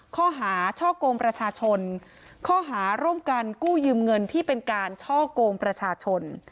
ข้อหาช่อกงประชาชนข้อหาร่วมกันกู้ยืมเงินที่เป็นการช่อกงประชาชน